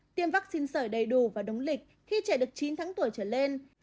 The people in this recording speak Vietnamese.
tiêm vaccine sởi đầy đủ và đúng lịch khi trẻ được chín tháng tuổi trở lên